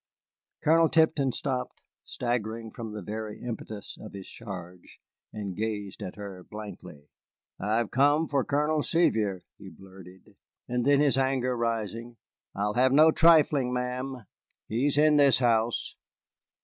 Colonel Tipton stopped, staggering from the very impetus of his charge, and gazed at her blankly. "I have come for Colonel Sevier," he blurted. And then, his anger rising, "I will have no trifling, ma'am. He is in this house."